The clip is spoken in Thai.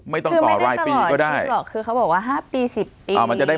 ไม่ต้องต่อรายปีก็ได้